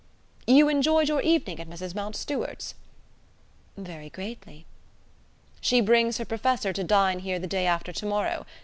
You enjoyed your evening at Mrs. Mountstuart's?" "Very greatly." "She brings her Professor to dine here the day after tomorrow.